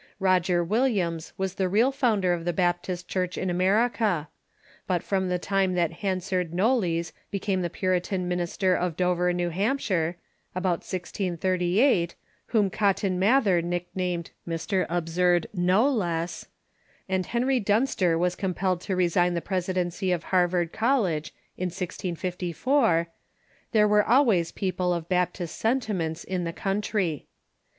i ^ i <■ i " n i ^^ Koger VV lUiams was the real loundcr oi the ijaptist Church in America ; but from the time that Hanserd Knollys became the Puritan minister of Dover, New Hampshire (about 1638), Avhom Cotton Mather nicknamed Mr. Absurd Knowless, and Henry Dunster was compelled to resign the presidency of Harvard College (in 1654), there svere alwaj's people of Baptist sentiments in the country.